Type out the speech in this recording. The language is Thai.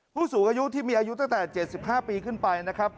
ผู้สูงอายุที่มีอายุตั้งแต่๗๕ปีขึ้นไปนะครับ